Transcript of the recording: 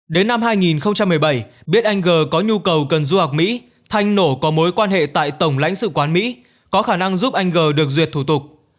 đến năm hai nghìn một mươi bảy biết anh g có nhu cầu cần du học mỹ thanh nổ có mối quan hệ tại tổng lãnh sự quán mỹ có khả năng giúp anh g được duyệt thủ tục